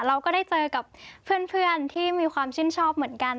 เราก็ได้เจอกับเพื่อนที่มีความชื่นชอบเหมือนกัน